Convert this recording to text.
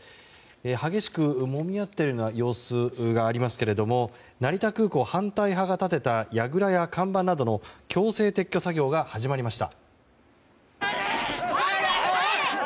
激しくもみ合っているような様子がありますが成田空港反対派が建てたやぐらや看板などの強制撤去作業が始まりました。